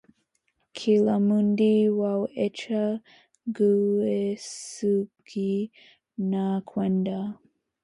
Kila mundu waw'echa kuw'isughia na kwenda.